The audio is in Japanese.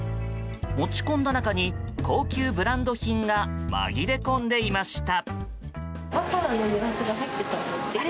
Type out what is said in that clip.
持ち込んだ中に高級ブランド品が紛れ込んでいました。